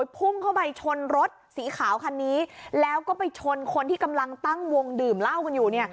พุ่งเข้าไปชนรถสีขาวคันนี้แล้วก็ไปชนคนที่กำลังตั้งวงดื่มเหล้ากันอยู่เนี่ย